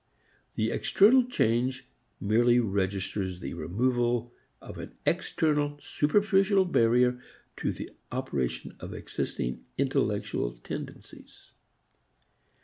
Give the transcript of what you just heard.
The external change merely registers the removal of an external superficial barrier to the operation of existing intellectual tendencies.